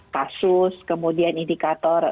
kasus kemudian indikator